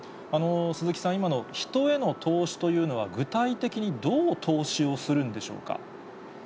鈴木さん、今の人への投資というのは、具体的にどう投資をするんでしょうか。